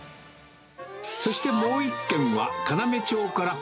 そしてもう１軒は、要町から。